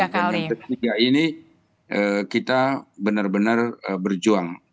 dan yang ketiga ini kita benar benar berjuang